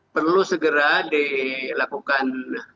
perlu segera dilakukan